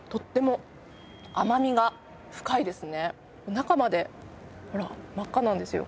中までほら真っ赤なんですよ。